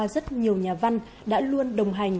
rất nhiều nhà văn đã luôn đồng hành